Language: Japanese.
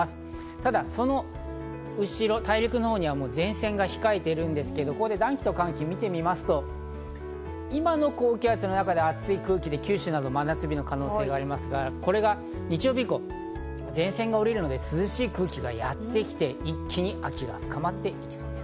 ただその後ろ、大陸のほうには前線が控えているんですけど、暖気と寒気を見てみますと今の高気圧の中で熱い空気で九州など真夏日の可能性がありますが、日曜日以降、前線が降りるので、涼しい空気がやってきて、一気に秋が深まっていきそうです。